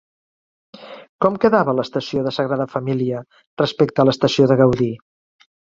Com quedava l'estació de Sagrada Família respecte a l'estació de Gaudí?